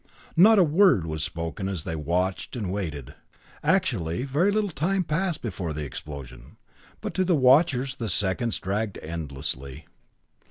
Not a word was spoken as they watched and waited. Actually, very little time passed before the explosion, but to the watchers the seconds dragged endlessly.